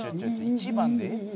「１番でええって」